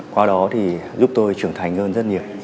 qua đó giúp tôi trưởng thành hơn rất nhiều